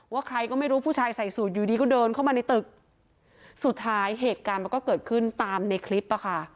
ใครก็ไม่รู้ผู้ชายใส่สูตรอยู่ดีก็เดินเข้ามาในตึกสุดท้ายเหตุการณ์มันก็เกิดขึ้นตามในคลิปอ่ะค่ะ